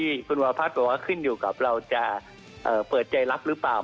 ที่คุณวาพัฒน์บอกว่าขึ้นอยู่กับเราจะเปิดใจรับหรือเปล่า